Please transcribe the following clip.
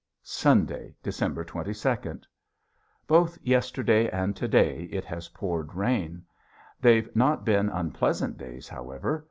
Sunday, December twenty second. Both yesterday and to day it has poured rain. They've not been unpleasant days, however.